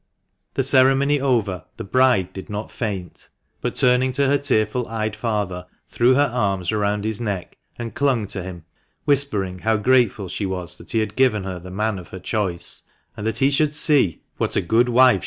The ceremony over, the bride did not faint, but turning to her tearful eyed father, threw her arms around his neck and clung to him, whispering how grateful she was that he had given her the man of her choice, and that he should see what a good wife THE MANCHESTER MAN.